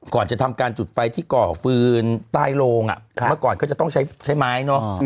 ก่อนจะทำการจุดไฟที่ก่อฟืนใต้โลงเมื่อก่อนก็จะต้องใช้ไม้เนอะ